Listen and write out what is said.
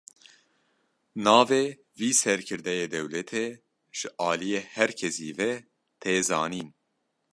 Navê vî serkirdeyê dewletê ji aliyê her kesî ve tê zanîn.